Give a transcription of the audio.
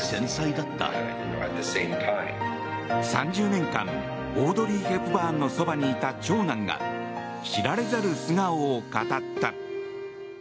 ３０年間オードリー・ヘプバーンのそばにいた長男が知られざる素顔を語った。